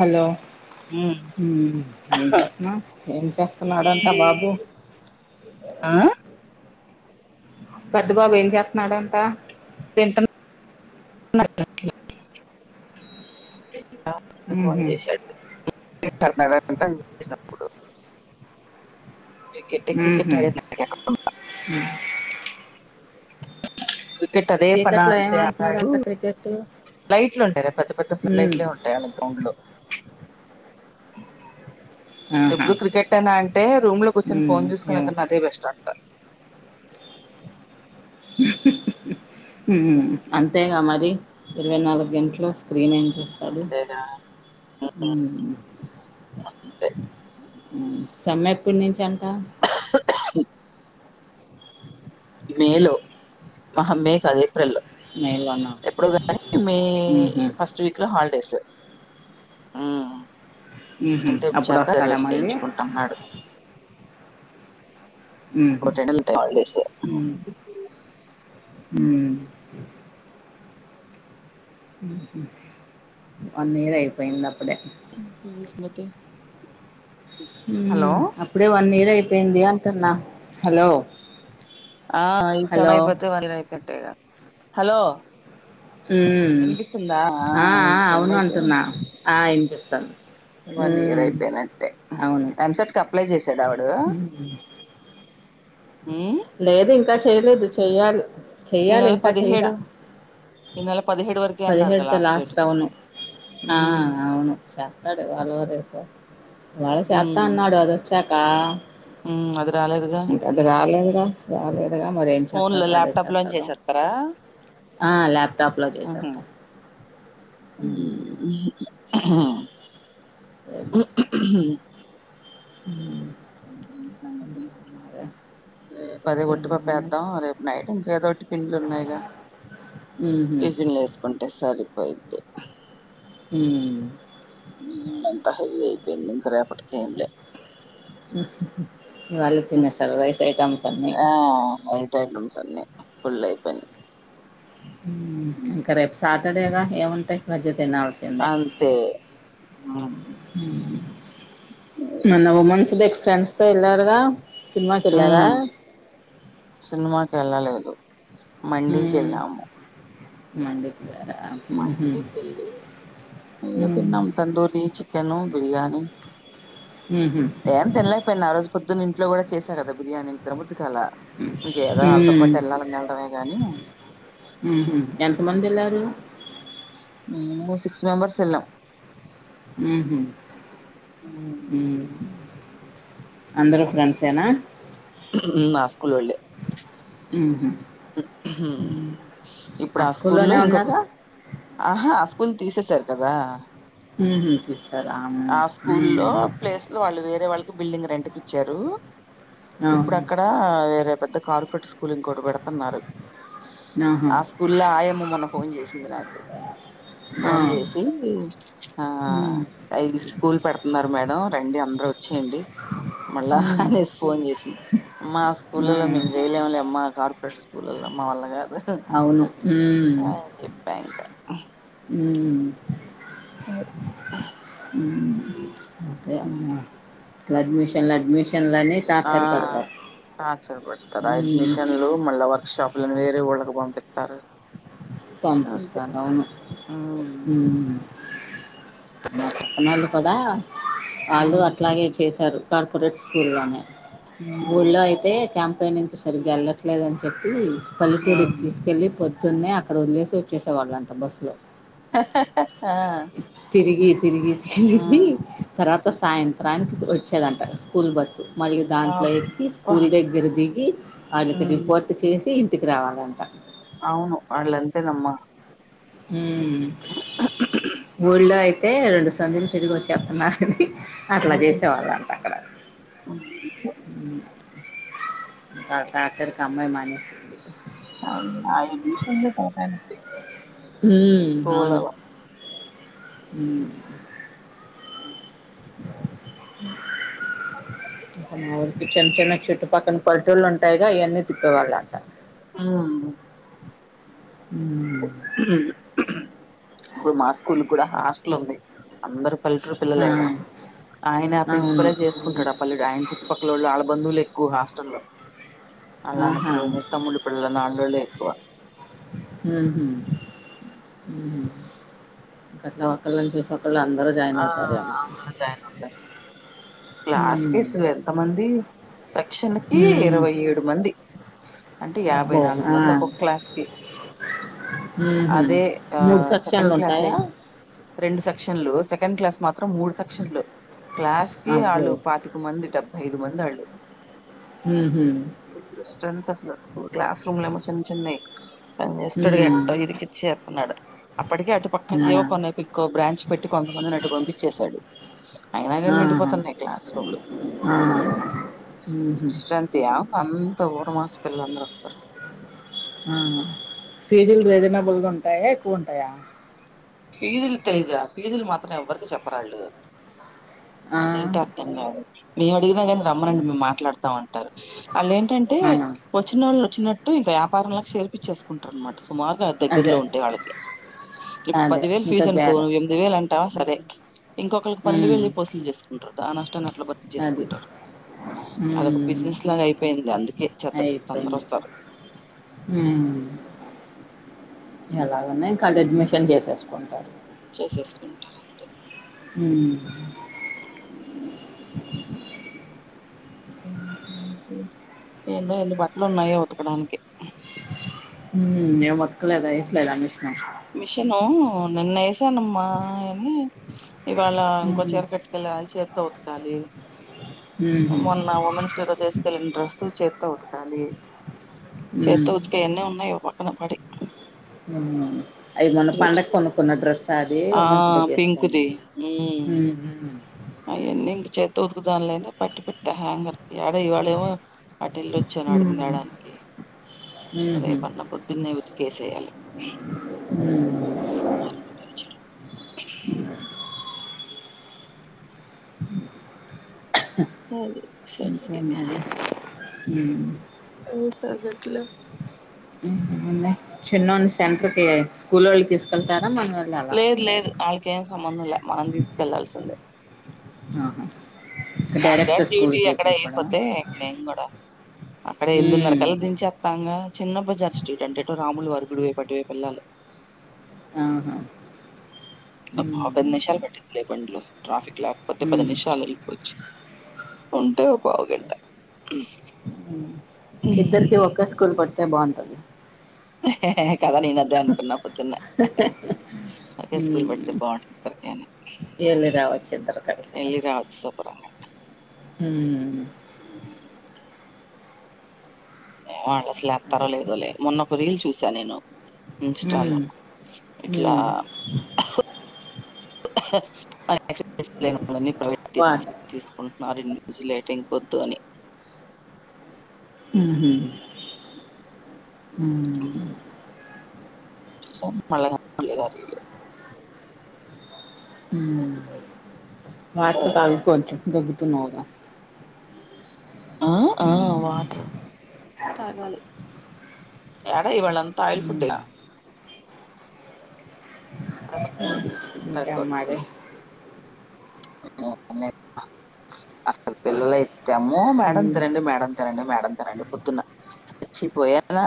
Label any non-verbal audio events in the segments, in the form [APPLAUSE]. Hello ఏం చేస్తున్నా ఏం ఇవి చేస్తున్నాడంటా బాబు ఆ పెద్ద బాబు ఏం చేస్తున్నాడంట ంట [UNINTELLIGIBLE] ఇ ఫోన్ మ్హూ చేశాడు [INAUDIBLE] కసినప్పుడు క్రికెట క్రికెట్ మ్హూ [INAUDIBLE] పెట్టదే పన చీకట్లో ఏం అంతే అ ఆడుతున్నాడంట క్రికెట్ లైట్లు ఉంటాయి పెద్ద పెద్ద ఫుల్ మ్మ్ లైట్లు ఉంటాయి అలాగ గౌండ్ లో ఆ ఆహా ఎప్పుడు క్రికెట్ అయినా అంటే రూమ్ లోకి వచ్చిన మ్మ్ ఫోన్ ఏమో చూసుకునేకన్నా అదే బెస్ట్ అంటారు అంతేకా మరి ఇరవై నాలుగు గంటలు స్క్రీన్ ఏం చేస్తంది అంతేగా అంతే అ సమ్మె ఎప్పటి నుంచి అంట మేలు ఆహా మే కాదే ఏప్రిల్ లో మే లోనా ఎప్పుడో కానీ మే మ్హూ ఫస్ట్ వీక్ లో హాలిడేస్ ఆ మ్హూ ఇంటపు అప్పుడు వస్తాడా చాకర్వేేశం మళ్ళీ చేయించుకుంటున్నాడు ఉహు అప్పుడు రెండు నెలలు ఉంటాయి హాలిడేస్ వన్ ఇయర్ అయిపోయింది అప్పుడే [UNINTELLIGIBLE] హలో అప్పుడే వన్ ఇయర్ అయిపోయింది అంటున్నా హలో ఆ ఈ హలో సమయం పతే వంద కట్టే హలో వినిపిస్తుందా ఆ ఈ ఆ సెమ్ అవును అయితే అంటున్నా ఆ ఇనిపిస్తాది వన్ ఇయర్ అయిపోయినట్టే అవును ఎంసెట్కి అప్లై చేసాడ వడు ఆ ఉమ్ లేదు ఇంకా చేయలేదు చెయాలి ఈ చెయ్యాలి నెల ఇంకా చెయాల పదిహేడు ఈ నెల పదిహేడు వరకే అన్నారుగా పదిహేడుతో డేట్ లాస్ట్ అవును ఆ ఉమ్ అవును చెప్పడు వాళ్ళరే మళ్ళీ చేస్తా అన్నాడు అది వచ్చాకా ఉ అది రాలేదుగా [UNINTELLIGIBLE] రాలే దుగా మరి ఏం ఫోన్ లో చేస్తాడో అదే ల్యాప్టాప్ లోనే చేస్తాడు చేసేస్తారా ఆ లాప్టాప్లో చేసాం ఉహు ఉమ్. ఆ అ హ ఇంకా ఎం సంగతి రేపు అదే ఏమున్నాయి ఒట్టిపపేద్దాం రేపు నైట్ ఇంకా ఏదో ఒకటి పిండ్లు ఉన్నాయి గా మ్మ్హ్మ్. టిఫిన్లు వేసుకుంటే సరిపోయిది ఉను అంతా హెవీ అయిపోయింది ఇంకా రేపటికి ఎం లే ఇవాళే తిన్న సార్ రైస్ ఐటమ్స్ అన్నీ ఫూడ్ ఐటమ్స్ అన్ని ఫుల్ అయిపోయినాయి మ్మ్ ఇంకా రేపు సాటర్డేగా కదా ఏముంటాయి [UNINTELLIGIBLE] తినాల్సిండా అంతే ఉమ్. నిను ఓమనిస్ [UNINTELLIGIBLE] మీరు ఫ్రెండ్స్ తో వెళ్ళారు గా సినిమాకెళ్లార ఉమ్, సినిమాకి వెళ్ళలేదు మండీకి ఎల్లము మన దగ్గర మండికెళ్ళి ఇగ మ్మ్. తిన్నాం తందూరీ చి చికెను బిర్యానీ మ్మ్హ్మ్. ఏం తినలేకపోయినా ఆ రోజు పొద్దున్న ఇంట్లో కూడా చేసా కదా బిర్యానీ తిన బుద్ది కలా ఇంకేదో వాళ్ళతో పాటు వెళ్ళాలని వెళ్డమే గాని ఉహు ఎంత మంది ఏల్లరు మీము సిక్స్ మెంబెర్స్ ఏమో ఉహు మ్మ్ అందరు ఫ్రెండ్సేనా ఆ స్కూల్ వాళ్ళే మ్మ్. ఇప్పుడు ఆ స్కూల్ లో స్కూల్లోనే ఇంకొక ఉన్నారా ఆహా ఆ స్కూల్ తీసేసారు కదా తినిపిద్దు ఆ స్కూల్లో ప్లేస్ లో వాళ్ళు వేరే వాళ్ళు కి బిల్డింగ్ రెంట్ కి ఇచ్చారు ఇప్పుడు అవును. అక్కడ వేరే పెద్ద కార్పొరేట్ స్కూల్ ఇంకొటి పెడతున్నారు ఆహా! ఆ స్కూల్ లో ఆయామ్మ మొన్న ఫోన్ చేసింది నాకు ఆ! ఫోన్ చేసి ఆ హ్మ్. హై స్కూల్ పెడుతున్నారు మేడం రండి అందరు వచ్చేయండి మళ్ళా హ్మ్. అనేసి ఫోన్ చేసింది అమ్మా ఆ స్కూల్లో హ్మ్. మేము చేయలేమ లే అమ్మా కార్పొరేట్ మా వల్ల కాదు అవును అని చెప్పా ఇంకా మ్మ్ ఇంకా అమ్మ అ అడ్మిషన్లు అడ్మిషన్లని ఆ టార్చర్ పెడతారు టార్చర్ పెడ్తారు ఆ హ్మ్. అడ్మిషన్లు మళ్ళా వర్క్ షాప్ల ని వేరే ఊళ్ళకి పంపిత్తారు పంపిస్తారు అవును మ్మ్ మా పక్కన వాళ్ళు కూడా వాళ్ళు మ్మ్ అట్లాగే చేశారు కార్పొరేట్ స్కూల్ ఉన్నాయి మ్మ్ ఊళ్లో అయితే క్యాం పైనింగ్ కీ సరిగగా వెళ్లట్లేదుని చెప్పి పల్లెటూరికి మ్మ్ తీసుకెళ్లి పొద్దున్నే అక్క అక్కడ వదిలేసి వచ్చారంటా బస్సు లో హ తిరిగి తిరిగి తిరిగి తర్వాత సాయంత్రానికి వచ్చేదంట స్కూల్ బస్సు మరియు దాంట్లో అబ్బా ఎక్కి స్కూల్ దగ్గర దిగి వాళ్ళకి మ్మ్ రిపోర్ట్ చేసి ఇంటికి రావాలంట అవును వాళ్ళు అంతేనమ్మా హ్మ్ ఒళ్ళో అయితే రెండు [UNINTELLIGIBLE] తిరిగి వచ్చి చెస్తున్నారుని అట్లా మ్మ్ చేసేవాళ్ళ అంట అక్కడ వాళ్ళ టార్చార్ కి ఆ అమ్మయి మానే ఆ అడ్మిషన్ తొ తలకాయ నొప్పి హ్మ్ అవును స్కూలలో ఇంకా [UNINTELLIGIBLE] చుట్టుపక్కన పల్లెటుల్లు ఉంటాయిగా ఆవాన్నీ తిప్పేవాళ్ళ అంట ఆ ఉమ్ ఇప్పుడు మా స్కూల్ కూడా హాస్టల్ ఉంది అందరు పళ్ళేటూర్ ఆ పిల్లలేగ ఆయన అవును ప్రిన్సిపలే చేసుకుంటాడు ఆ పల్లెడు ఆయన చుట్టుపక్కలోళ్ళు ఆళ్ళబధువులేక్కువ హాస్ స్టాల్లో అల్ల అన్న ఆహా పిల్లల్ని తమ్ముళ్ళ పిల్లల్ని అల్లోళ్ళే ఎక్కువ మ్ హు ఇంకా అట్లా ఒక్కల్లని చూసి ఓక్ ఆ అందరు జైనవుతరు క్లాస్ ఉమ్. కి అసలు ఎంత మంది సెక్షన్ కి ఉమ్. ఇరవై ఏడు మంది అంటే యాభై అబ్బో నాలుగు ఆ. మంది ఒొక్క క్లాస్ కి ఉహూ. అదే ఆ మూడు సెకండ్ సెక్షన్లు క్లాసే ఉంటాయా గ రెండు సెక్షన్లు సెకండ్ క్లాస్ మొత్ త్రం మూడు సెక్షన్లు క్లాస్ కి అబ్బో వాళ్ళు పాతిక మంది డెబ్బై ఐదు మంది వాళ్ళు ఉహూ. ఫుల్ స్ట్రెత్ అసలు క్లాస్ రూమ్ లేమో చిన్న చిన్నాయ్ చేసెటోడు ఇగ ఉమ్. ఎట్టాగో ఇరికించేస్తున్నాడు అప్పటికే అటు పక్క ఆ. జీవో కొనేపికు బ్రాంచ్ పెట్టి కొంత నట్టు పంపించేశాడు అయినా కాని ఆహా. నిండిపోతున్నాయి క్లాస్ రూమ్లు ఆ. ఉహూ. విశ్రాంతియా అంత ఊరమస్ పిల్లలందరూ వస్తారు ఆ ఫీజులు రీజనబుల్గా ఉంటాయా ఎక్కువ ఉంటాయా ఫీజులు తెలీదు ఆ ఫీజులు మాత్రం ఎవ్వరికి చెప్పరాళ్ళు అ అదేంటిో అర్థం కాదు మేము అడిగినా కానీ రమ్మనండి మేము మాట్లాడుతం అని ఉంటారు వాళ్ళ ఏంటంటే ఆ. వచ్చినోళ్లు ఒచ్చినట్ టు ఈ వ్యాపారలకు చేర్పిచ్చేసుకుంటారు అనమాట సుమారుగా అదే దగ్గరలో ఉంటే వాళ్ళకి ప్ అదే పదివేలు ఇంకా ఫీజనుకో బేరం ను్ ఎనిమిది వేలు ఉమ్. అంటాసరే ఇంకొకరికి పన్నెండు ఉమ్. వేలు చెప్పి వసూలు చేసుకుంటారట ఆ నష్టాన్ని అట్లా భర్తీ అది చేసుకుంటారు అదొక ఉమ్. బిజినెస్ లాగా అయిపోయింది అందుకే చెత్త చెత్త అందరు వస్తారు హుమ్ ఎలాగున్నా కన్ అడ్మిషన్ చేసేసుకుంటారు చేసేసుకుంటారు అంతే హు ఎన్నో ఎన్ని బట్టలు ఉన్నాయో ఉతకడానికి హుమ్ ఎం ఉత్కాలేద ఎయట్లేదా మిషన్ మిషను నిన్న వేసానమ్మా అని ఇవాళ ఇంకో చీర కట్టుకెళ్ళ అి చేతో ఉతకాలి మొన్న ఉమెన్స్ డే రోజు ఏసుకెళ్ళిన డ్రెస్సు చేత్తో ఉతకాలి చేత్తో ఉతుకేయ్ ఎన్ని ఉన్నాయో పక్కన పడి అవున అది మొన్న రేపు పండగ కొనుకున్న డ్రెస్ ఆ ఉమేన్స్ డే కు ఏసుకుంది మ్ హు అయ్యన్ని ఇగ చేత్తో ఉతుకుదం లే అని పట్టి పెట్ట హ్యాంగర్ కి ఆడ ఇవాళ ఏమో అటెలోచ్చాను ఉమ్, ఆడింతెడానికి ఉమ్. రేపన్న పోద్దున్నే ఉతికేసెయ్యాలి [INAUDIBLE] [INAUDIBLE] అది సంగతి ఇంకేం మరి ఉమ్. ఎం సంగతులు చిన్నోన్ని సెంటర్కి స్కూల్ వాళ్ళు తీస్ లేదు లేదు వాళ్ళకి ఏం సంబంధం లే మనం తీసుకెళ్ళాల్సిందే ఆహా డైరెక్ట్ నాగాన్ని డ్యూటీ స్కూల్కి ఎక్కడ వెళ్ళిపోవడమా ఎయ్యకపోతే నేను కూడా అక్కడ ఎందున్నర ఉమ్. కలు గురించి వస్తాంగా చిన్న బజార్ స్ట్రీట్ అంటే ఎటో రాములు వారి గుడి వై పటువైపేల్లాలి ఆహా ఉమ్. యాభై నిమిషాలు పట్టింది బండిలో ట్రాఫిక్ లేకపోతే పది ఉమ్. నిమిషాల్లో వెళ్ళిపోవచ్చు ఎంతో ఉ ఇద్దరికి ఒక్కే స్కూల్ పడితే బాగుండు అ కదా నేను అదే అనుకున్నా పొద్దున్న [INAUDIBLE] ఒకే స్కూల్ పడితే ఉమ్ బాగుంటుంది తకని వెళ్ళి రావచ్చు ఇద్దరు కలిసి శుభ్రంగా ఉమ్ ఉమ్ వాళ్ళు అసలు ఏస్తారో అదే లేదో లే మొన్నొ ఒక రీల్ చూసాను నేను ఇన్స్టాలో ఉమ్ ఇట్లా ఉమ్ వాట్ [UNINTELLIGIBLE] తీసుకుంటున్నారు ఇన్ని విజిలేటింగ్ పొద్దు అని ఉహు ఉ సౌండ్ [UNINTELLIGIBLE] ఉమ్ వాటర్ తాగు కొంచెం దగ్గుతున్నావుగా ఆ ఆ ఉమ్ వాటరు తాగాలి ఇవాళ అంతా ఆయిల్ ఫుడ్ ఉమ్ గా కాబట్టి ఇంకేం తగ్గచ్చు మరి [UNINTELLIGIBLE] అసలు పిల్లలైతే అమ్మో మేడం ఉమ్ తినండి మేడం తినండి మేడం తినండి పొద్దున్న చచ్చిపోయాన్న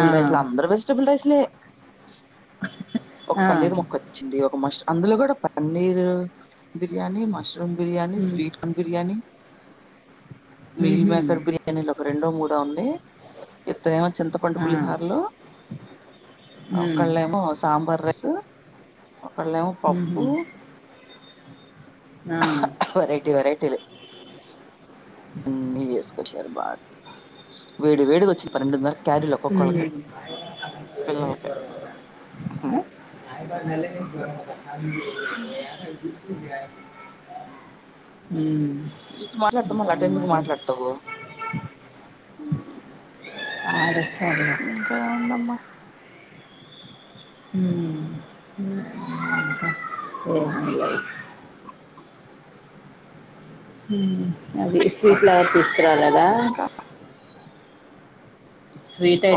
ఆ రైస్ లో అందరు వెజిటబిల్ రైస్లే ఒక ఆ పన్నీర్ ముక్క వచ్చింది ఒక మష్ అందులో కూడా పన్నీర్ బిర్యానీ మష్ మష్రూమ్ బిర్యాని ఉమ్ స్వీట్ కార్న్ బిర్యాని మీల్ ఉహు మేకర్ బిర్యానీలు ఒక రెండో మూడో ఉంది ఇద్దరేమో చింతపండు ఆ పులిహార్లు ఉమ్ ఒకళ్ళేమో సాంబార్ రైసు ఒకళ్ళేమో పప్పు ఉహు ఆ వెరైటీ వెరైటీలు అన్నీ చేసుకొచ్చారు బాగా వేడివేడిగా వచ్చింది పన్నెండున్నరకి పిల్లలకి ఉమ్ నల అ ఉమ్ ఉమ్ ఇటు మాట్లాడతా మళ్ళ ఇంకేం అంటెందుకు మరి మాట్లాడతావు ఆ ఇంకా ఏముందమ్మా హుం ఏందో అది స్వీట్లు ఎవరు తీసుకు రాలేదా ఇంకా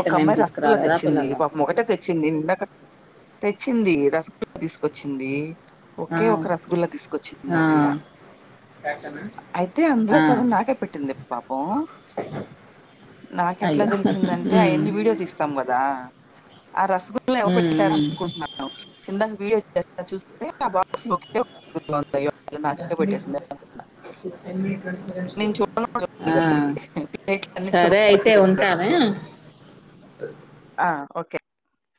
ఒక ఏం అమ్మాయి రసగుల్ల తీసుకురాలేదా తెచ్చింది పిల్లలు పాపం ఒకటే తెచ్చింది నేను ఇందాక తెచ్చింది రసగుల్ల తీసుకొచ్చింది ఆ ఒకే ఒక రసగుల్ల తీసుకొచ్చింది ఆ పిల్ల అయితే అందులో ఆ సగం నాకే పెట్టింది పాపం ఉ నాకెట్లా అయ్యో తెలిసిందంటే ఉమ్, ఉమ్, అయన్ని వీడియో తీస్తాం కదా ఆ ఆ రసగుల్ల ఎవరు ఉమ్. పెట్టారనుకుంటున్నావ్ ఇందాక వీడియో చేస్తా చూస్తే బాక్స్ ఒకటే ఒకటి ఉంది అయ్యో ఆ పిల్ల నాకే పెట్టేసింది అనుకున్నా నేను ఆ చూడలేదు ప్లేట్లు అన్నిటితో సరే పాటు అయితే ఉంటాను పెట్టేసారు. అ ఆ ఓకే